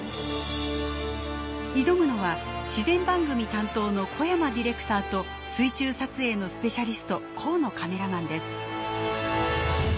挑むのは自然番組担当の小山ディレクターと水中撮影のスペシャリスト河野カメラマンです。